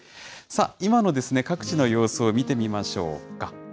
さあ、今の各地の様子を見てみましょうか。